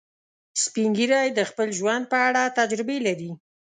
سپین ږیری د خپل ژوند په اړه تجربې لري